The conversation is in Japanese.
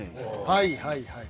はいはいはい。